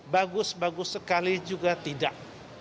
bagus bagus sekali juga tidak